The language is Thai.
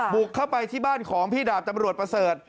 บุกเข้าไปที่บ้านของพี่ดาบตำรวจประเสริฐ